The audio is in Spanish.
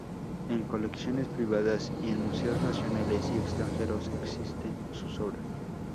En colecciones privadas y en museos nacionales y extranjeros existen sus obras.